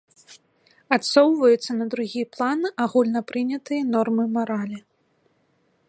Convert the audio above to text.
Адсоўваюцца на другі план агульнапрынятыя нормы маралі.